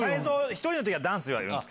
１人の時はダンスをやる。